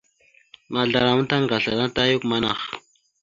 Mahəzlaraŋa ma taŋgasl ana ta ayak amanah.